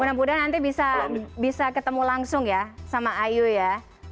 mudah mudahan nanti bisa ketemu langsung ya sama ayu ya